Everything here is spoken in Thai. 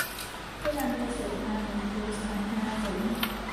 ที่นำไปสู่การมีครูสมรรถนะสูง